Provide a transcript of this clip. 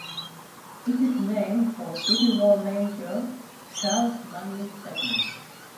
It is named for Civil War Major Charles Manly Stedman.